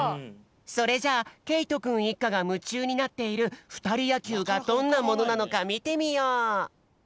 それじゃあけいとくんいっかがむちゅうになっているふたりやきゅうがどんなものなのかみてみよう。